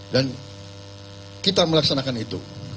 dan kita melaksanakan itu